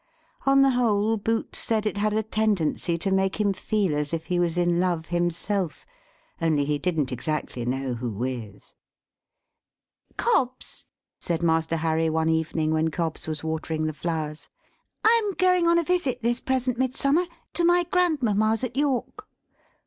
On the whole, Boots said it had a tendency to make him feel as if he was in love himself only he didn't exactly know who with. "Cobbs," said Master Harry, one evening, when Cobbs was watering the flowers, "I am going on a visit, this present Midsummer, to my grandmamma's at York."